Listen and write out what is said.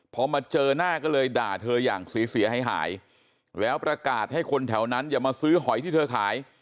พอมาเจอหน้าก็เลยด่าเธออย่างเสียหายหายแล้วประกาศให้คนแถวนั้นอย่ามาซื้อหอยที่เธอขาย